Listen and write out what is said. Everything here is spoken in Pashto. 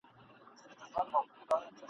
د کشپ غوندي به مځکي ته رالویږي ..